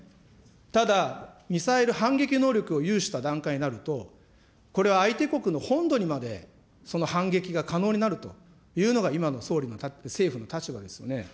ただミサイル反撃能力を有した段階になると、これは相手国の本土にまでその反撃が可能になるというのが、今の総理の、政府の立場ですよね。